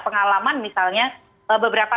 pengalaman misalnya beberapa